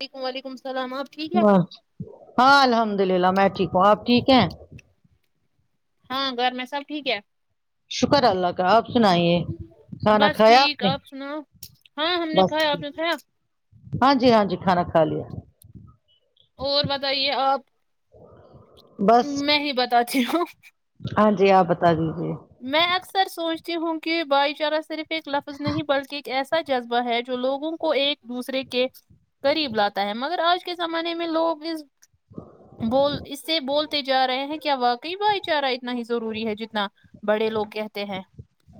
وعلیکم وعلیکم السلام آپ ٹھیک ہے واچ ہاں الحمد للہ میں ٹھیک ہوں آپ ٹھیک ہیں ہاں گر میں سب ٹھیک ہے شکر اللہ کا آپ سنائیے کھانا بس کھایا ٹھیک نے آپ سناؤ ہاں ہم نے بس کھایا آپ ٹھیک نے کھایا ہاں جی ہاں جی کھانا کھا لیا اور بتائیے آپ بس میں ہی بتاتی ہوں ہاں جی آپ بتا دیجیے میں اکثر سوچتی ہوں کہ بھائی چارہ صرف ایک لفظ نہیں بلکی ایک ایسا جذبہ ہے جو لوگوں کو ایک دوسرے کے کریب لاتا ہے مگر آج کے زمانے میں لوگ اس بول اس سے بولتے تے جا رہے ہیں کیا واقعی بھائی چارہ اتنا ہی ضروری ہے جتنا بڑے لوگ کہتے ہیں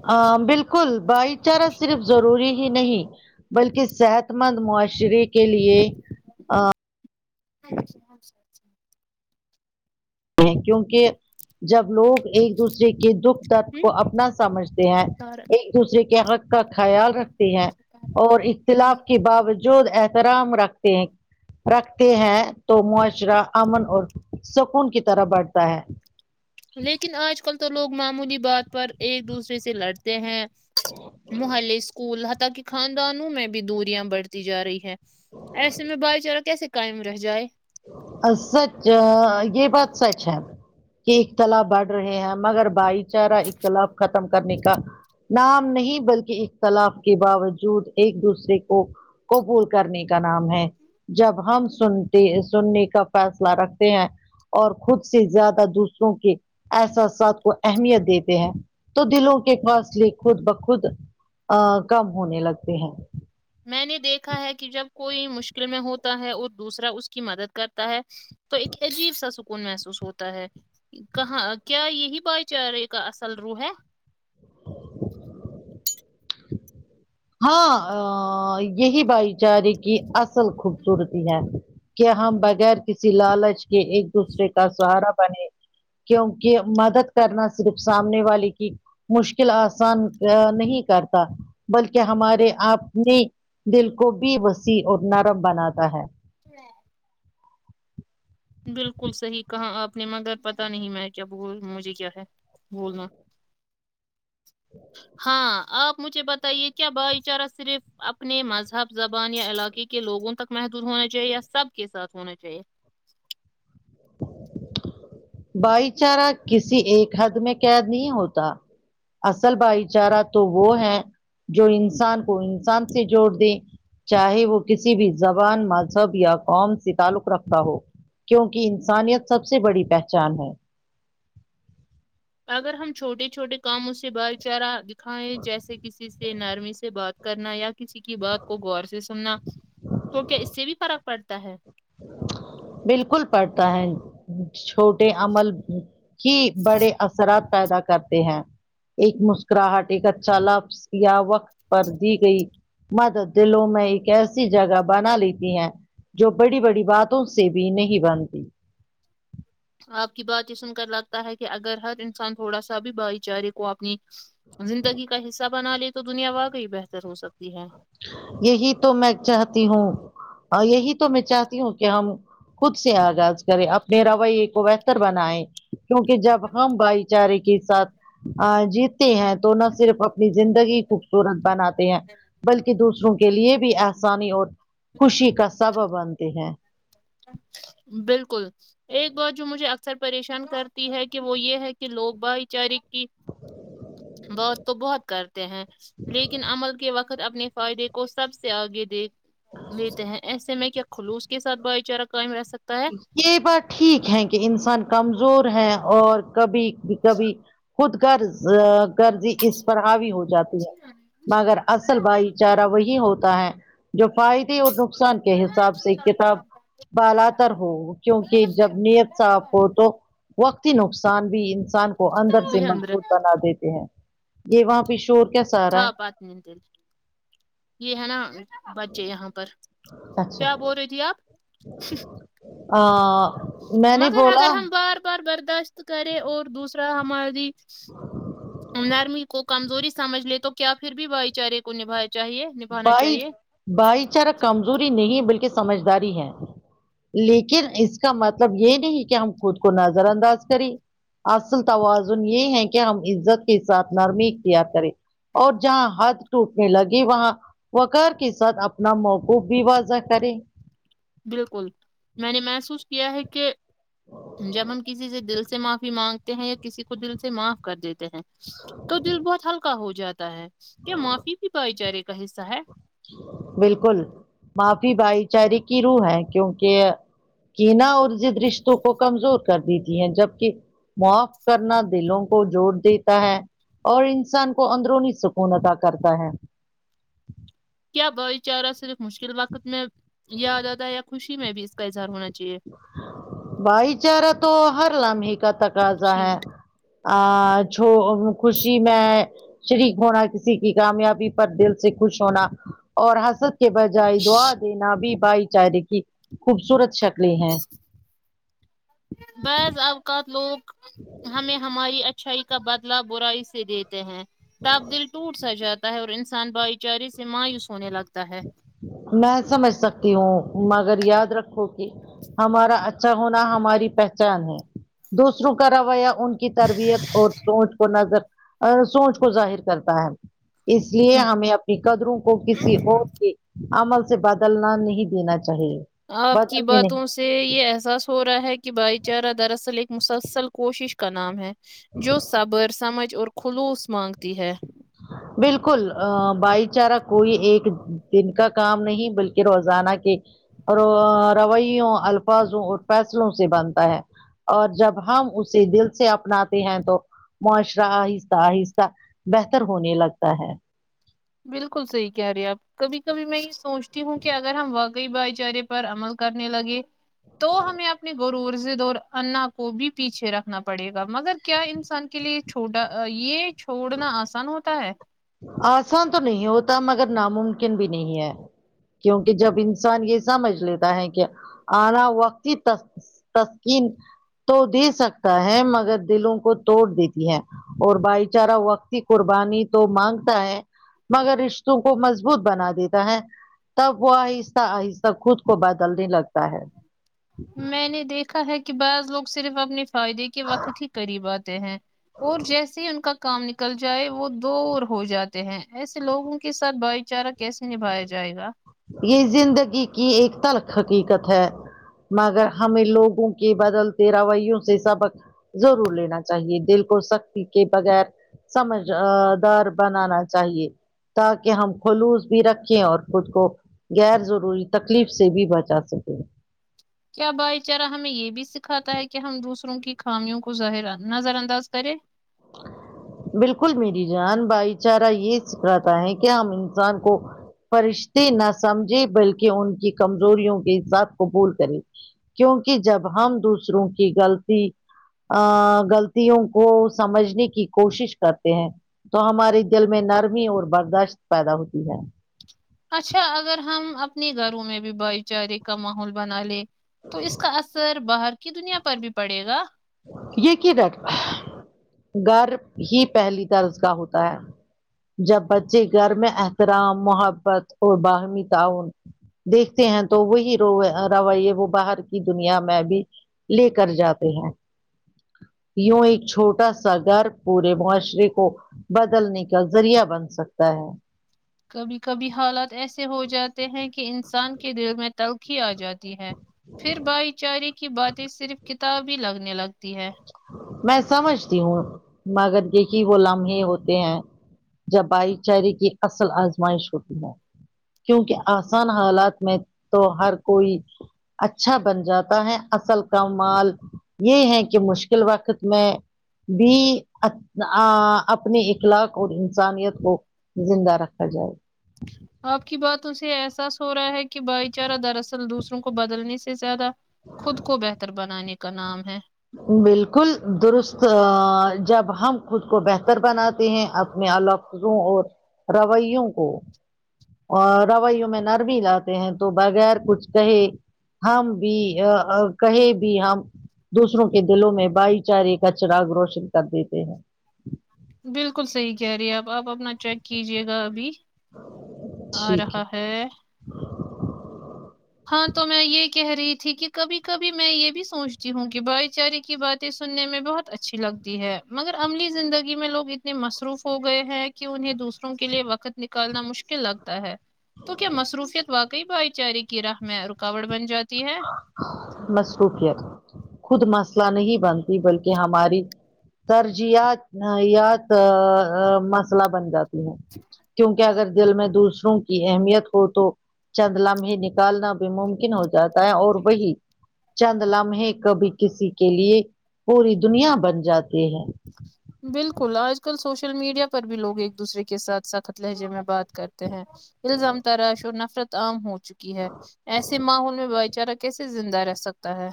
ہاں بالکل بھائی چارہ صرف ضروری ہی نہیں بلکہ صحت مند معاشرے کے لیے [unintelligible] ہیں کیونکہ جب لوگ ایک دوسرے کے دکھ درد کو اپنا سمجھتے ہیں ہوں ایک دوسرے کے حق کا خیال رکھتے ہیں اور اختلاف کے باوجود احترام رکھتے ہیں رکھتے ہیں تو معاشرہ امن اور سکون کی طرح بڑھتا ہے لیکن آج کل تو لوگ معمولی بات پر ایک دوسرے سے لڑتے ہیں ہ محلے اسکول حتا کہ خاندانوں میں بھی دوریاں بڑھتی جا رہی ہے ایسے میں بھائی چارہ کیسے قائم رہ جائے آ سچ آ یے بات سچ ہے کے اختلاف بڑھ رہے ہیں مگر بھائی چارہ اختلاف ختم کرنے کا نام نہیں بلکی اختلاف کے باوجود ایک دوسرے کو قبول کرنے کا نام ہے جب ہم سن تے ہے سننے کا فیصلہ رکھتے ہیں اور خود سے زیادہ دوسروں کے احساسات کو اہمیت دیتے ہیں تو دلوں کے فاصلے خود بخود آ کم ہونے لگتے ہیں میں نے دیکھا ہے کی جب کوئی مشکل میں ہوتا ہے اور دوسرا اس کی مدد کرتا ہے تو ایک عجیب سا سکون محسوس ہوتا ہے کہاں کیا یہی بھائی چرے کا اصل روح ہے ہاں یہی بھائی چارے کی اصل خوبصورتی ہے کیا ہم بغیر کسی لالچ کے ایک دوسرے کا سہارا بنے کیو کی مدد کرنا صرف سامنے والے کی مشکل آسان نہیں کرتا کہ ہمارے آنے دل کو بھی وسیع اور نرم بناتا ہے بالکل صحیح کہاں آپ نے مگر پتا نہیں میں کیا بول مجھے کیا ہے بولنا ہاں آپ مجھے بتائیے کیا بھائی چارہ صرف اپنے مذہب زبان یا علاکے کے کے لوگوں تک محدود ہونا چاہیے یا سب کے ساتھ ہونا چاہیے بھائی چارہ کسی ایک حد میں قید نہیں ہوتا اصل بھائی چارہ تو وہ ہے جو انسان کو انسان سے جوڑ دے چاہے وہ کسی بھی زبان مذہب یا قوم سے تعلق رکھتا ہو کیونکہ انسانیت سب سے بڑی پہچان ہے اگر ہم چھوٹے چھوٹے کاموں سے بھائی چارہ دکھائائےیں جیسے کسی سے نرمی سے بات کرنا یا کسی کی بات کو غور سے سننا تھوڑ کیا اس سے بھی فرق پڑتا ہے بالکل پڑتا ہے چھوٹے عمل کی بڑے اثرات پیدا کرتے ہیں ایک مسکراہٹے کا چالف یا وقت پر دی گئی مد دلوں میں ایک ایسی جگہ بنا لیتی ہیں جو بڑی بڑی باتوں سے بھی نہیں بنتی آپ کی بات یہ سن کر لگتا ہے کہ اگر ہر انسان تھوڑا سا بھی بھائی چارے کو اپنی زندگی کا حصہ بنا لے تو دنیا واقعی بہتر ہو سکتی ہے یہی تو میں چاہتی ہوں یہی تو میں چاہتی ہوں کہ ہم خود سے آغاز کرے اپنے رویے کو بہتر بنائے کیونکہ جب ہم بھائی چارے کے ساتھ عجب ہیں تو نہ صرف اپنی زندگی خوبصورت بناتے ہیں ہے بلکہ دوسرے دوروں کے لیے بھی آسانی اور خوشی کا سبب بنتے ہیں بالکل ایک بات جو مجھے اکثر پریشان کرتی ہے کہ وہ یہ ہے کہ لوگ بھائی چارے کی بات تو بہت کرتے ہیں لیکن عمل کے وقت اپنے فائدے کو سب سے آگے دیک لیتے ہیں ایسے میں کیا خلوص کے ساتھ بھائی چارہ قائم رہ سکتا ہے یہ بات ٹھیک ہے کہ انسان کمزور ہے اور کبھی کبھی خود کرض گرضی اس پر ہاوی ہو جاتی ہے مگر اصل بھائی چارہ وہی ہوتا ہے جو فائدے اور نقصان کے حساب سے کتاب بالاتر ہو کیونکہ جب نیت صاف ہو تو وقتتی نقصان بھی انسان کو کو اندر سے مضبوط بنا دیتے ہیں یے وہاں پے شور کیسا ارا ہے یے ہے نا بچے یہاں پر اچھا کیا بول رہی تھی آپ آ میں نے مگر اگر بولا ہم بار بار برداشت کریں اور دوسرا ہماری نرمی کو کمزوری سمجھ لے تو کیا پھر بھی بھائی چارے کو نبھا چاہیے نبھانا بھائی چاہیے بھائی چارہ کمزوری نہیں بلکے سمجھداری ہے لیکن اس کا مطلب یے نہیں کی ہم خود کو نظر انداز کریں اصل توازن یے ہے کے ہم عزت کے ساتھ نرمی اختیار کریں اور جہاں حد ٹوٹنے لگی وہاں وکار کے ساتھ اپنا موقو بھی واضح کریں بالکل میں نے محسوس کیا ہے کے جب ہم کسی سے دل سے ماف فی مانگتے ہیں یا کسی کو دل سے معاف کر دیتے ہیں تو دل بہت ہلکا ہو جاتا تا ہے کے معافی بھی بھائی چارے کا حصہ ہے بالکل معافی بھائی چارے کی روح ہے کیونکہ کینا اور ضد رشتوں کو کمزور کر دیتی ہے جبکی معاف کرنا دلوں کو جوڑ دیتا ہے اور انسان کو اندرونی سکون اتا کرتا ہے کیا بھائی چارہ صرف مشکل وقت میں یاد آتا یا خوشی میں بھی اس کا اظہار ہونا چاہیے بھائی چارا تو ہر لمحے کا تقاضا ہے شیٹ آ چو خوشی میں شریک ہونا کسی کی کامیابی پر دل سے خوش ہونا اور حست کے بج جائی دعا دینا بھی بھائی چارے کی خوبصورت شکلیں ہیں بض اوقات لوگ ہمیں ہم ہماری اچھائی کا بدلا برائی سے دیتے ہیں تب دل ٹوٹ سا جات تا ہے اور انسان بائی چارے سے مایوس ہونے لگتا ہے میں سمجھ سکتی ہوں مگر یاد رکھو کی ہمارا اچھا ہونا ہماری پہچان ہے دوسروں کا رویہ ان کی تربیت اور سوچ کو نظر سوچ کو ظاہر کرتا ہے اس لیے ہمیں اپنی قدروں کو کسی اور کے عمل سے بدلنا نہیں دینا چاہیے آپ کی بدلنے نہیں باتوں سے تے یے احساس ہو رہا ہے کی بھائی چارہ دراصل ایک مسلسل کوشش کا نام ہے جو صبر سمجھ اور خلوص مانگتی ہے بالکل آ بائی چارا کوئی ایک دن کا کام نہیں بلکے روزانہ کے رویوں الفاظوں اور فیصلوں سے بنتا ہے اور جب ہم اسے دل سے اپناتے ہیں تو معاشرہ آہستہ آہستہ تر ہونے لگتا ہے بالکل صحیح کہہ رہے ہیں آپ کبھی کبھی میں یے سوچتی ہوں کے اگر ہم واقعی بھائی چارے پر عمل کرنے لگے تو ہمیں اپنے غرور ضد اور انا کو بھی پیچھے رکھنا پڑے گا مگر کیا انسان کے لیے چھوٹا یے چھوڑنا آسان ہوتا ہے آسان تو نہیں ہوتا مگر ناممکن بھی نہیں ہے کیونکی جب انسان یے سمجھ لیتا ہے کے آنا وقتی تسکین تو دے سکتا ہے مگر دلوں کو توڑ دیتی ہے اور بھائی چارہ وقتی قربانی تو مانگتا ہے مگر رشتوں کو مضبوط بنا دیتا ہے تب وہ آہسہ آہسہ خود کو بدلنے لگتا ہے میں نے دیکھا ہے کی بعض لوگ صرف اپنی فائدے کے وقت ہی قریب آتے ہیں اور جیسے ہی ان کا کام نکل جائے وہ دور ہو جاتے ہیں ایسے لوگوں کے ساتھ بھائی چارہ کیسے نبھایا جائے گا یے زندگی کی ایک تلخ حقیقت ہے مگر ہمیں لوگوں کے بدلتے رویوں سے سبق ضرور لینا چاہیے دل کو سختی کے بغیر سمجھ آ دار بنانا چاہیے تاکہ ہم خلوص بھی رکھیں اور خود کو غیر ضروری تکلیف سے بھی بچا سکے کیا بھائی چارہ ہمیں یے بھی سکھاتا ہے کہ ہم دوسروں کی خامیوں کو ظاہرا نظر انداز کرے بالکل میری جان بھائی چارہ یے سکھاتا ہے کہ ہم انسان کو فرشتے نہ سمجھیں بلکہ ان کی کمزوریوں کے ساتھ قوبول کرے کیونکہ جب ہم دوسروں کی غلطی ا گغلطوں کو سمجھنے کی کوشش کرتے ہیں تو ہمارے دل میں نرمی اور برداشت پیدا ہوتی ہے اچھا اگر ہم اپنے گھروں میں بھی بھائی چارے کا ماحول بنا لے تو اس کا اثر باہر کی دنیا پر بھی پڑے گا یے کیدھر گر ہی پہلی درسگا ہوتا ہے جب بچے گھر میں احترام محبت اور باہمی تعاون دیکھتے ہیں تو روے رویے وہ باہر کی دنیا میں بھی لیکر جاتے ہیں یوں ایک چھوٹا سا گر پورے معاشرے کو بدلنے کا ذریعہ بن سکتا ہے کبھی کبھی حالات ایسے ہو جاتے ہیں کہ انسان کے دل میں تلخی آ جاتی ہے پھر بھائی چارے کی باتیں صرف کتاب ہی لگنے لگتی ہے میں سمجھتی ہوں مگر دیکھی وہ لمحے ہوتے ہیں جب بھائی چارے کی اصل آزمائش ہوتی ہے کیونکہ آسان حالات میں تو ہر کوئی اچھا بن جاتا ہے اصل کا مال یہ ہے کہ کہ مشکل وقت میں بھی اپنے اخلاق اور انسانیت کو زندہ رکھا جائے آپ کی بات اس سے احساس ہو رہا ہے کہ بھائی چارہ دراصل دوسروں کو بدلنے سے زیادہ خود کو بہتر بنانے کا نام ہے بالکل درست جب ہم خود کو بہتر بناتے ہیں اپنے الوک وں اور رویوں کو اور رویوں میں نرمی لاتے ہیں تو بغیر کچھ کہے ہم بھی کہیں بھی ہم دوسروں کے دلوں میں بھائی چارے کا چراغ روشن کر دیتے ہیں بالکل صحیح کہہ رہی ہیں آپ آپ اپنا چیڈک کیجیے گا ابھی آ رہا ہے ہاں تو میں یہ کہہ رہی تھی کہ کبھی کبھی میں یہ بھی سوچتی ہوں کہ بھائی چارے کی باتیں سننے میں بہت اچھی لگتی ہے مگر عملی زندگی میں لوگ اتنے مصروف ہو گئے ہیں کہ انہیں دوسروں کے لیے وقت نکالنا مشکل لگتا ہے تو کیا مصروفیت واقعی بھائی چارے کی راہ میں رکاوٹ بن جاتی ہے مصروفیت خود مسئلہ نہیں بنتی بلکہ ہماری ترجیاتیات مسئلہ بن جاتی ہیں کیونکہ اگر دل میں دوسروں کی اہمیت ہو تو چند لمحے میں نکالنا بھی ممکن ہو جاتا ہے اور وہی چند لمحے کبھی کسی کے لیے پوری دنیا بن جاتی ہے بالکل آج کل سوشل میڈیا پر بھی لوگ ایک دوسرے کے ساتھ سخت لہجے میں بات کر کرتے ہیں الزام تراش اور نفرت عام ہو چکی ہے ایسے ماحول میں بھائی چارا کیسے زندہ رہ سکتا ہے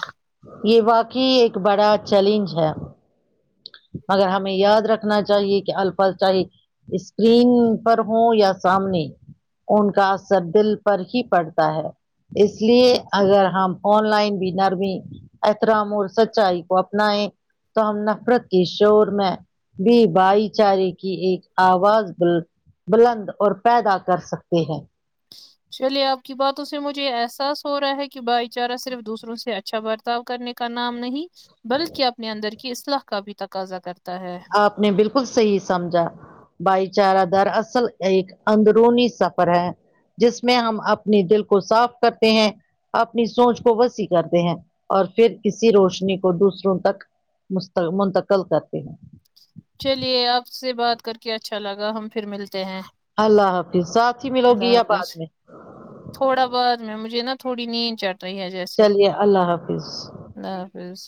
یہ واقعی ایک بڑا چیلنج ہے مگر ہمیں یاد رکھنا چاہیے کہ الفا چاہی اسکرین پر ہوں یا سامنے ان کا اثر دل پر ہی پڑتا ہے اس لیے اگر ہم آن لائن بھی نرمی احترام اور سچائی کو اپنائیں تو ہم نہ نفرت کے شور میں بھی بھائی چارے کی ایک آواز بلند اور پیدا کر سکتے ہیں چلیے آپ کی باتوں سے مجھے احساس ہو رہا ہے کہ بھائی چارہ صرف دوسروں سے اچھا بر کرنے کا نام نہیں بلکہ اپنے اندر کی اصلاح کا بھی تقاضا کرتا ہے آپ نے بالکل صحی سمجھا بھائی چارہ در اصل ایک اندرونی سفر ہے جس میں ہم اپنی دل کو صاف کرتے ہیں اپنی سوچ کو وسیع کرتے ہیں اور پھر کسی روشنی کو دوسروں تک مست منتقل کرتے ہیں چلیے آپ سے بات کر کے اچھا لگا ہم پھر ملتے ہیں اللہ حافظ ساتھ ہی ملو گی اللہ یا بعد حافظ میں تھوڑا بعد میں مجھے نا تھوڑی نیند چڑ رہی ہے جیسے چلیے اللہ حافظ اللہ حافظ